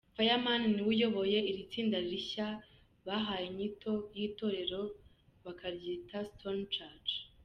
Fireman niwe uyoboye iri tsinda rishya bahaye inyito y'itorero bakaryira "Stone Church".